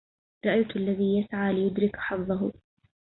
رأيت الذي يسعى ليدرك حظه